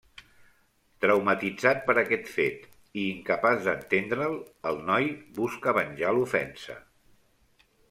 Traumatitzat per aquest fet, i incapaç d'entendre'l, el noi busca venjar l'ofensa.